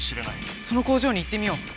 その工場に行ってみよう！